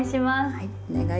はい。